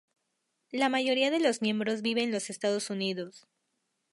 La mayoría de los miembros vive en los Estados Unidos.